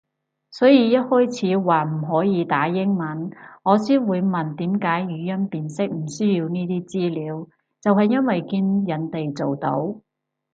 所以一開始話唔可以打英文，我先會問點解語音辨識唔需要呢啲資料就係因為見人哋做到